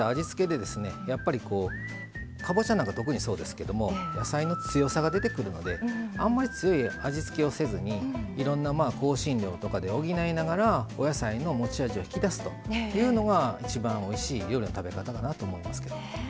やっぱりこうかぼちゃなんか特にそうですけども野菜の強さが出てくるのであんまり強い味付けをせずにいろんな香辛料とかで補いながらお野菜の持ち味を引き出すというのが一番おいしい料理の食べ方だなと思いますけど。